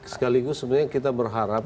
sekaligus sebenarnya kita berharap